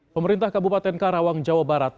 pemerintah kabupaten karawang jawa barat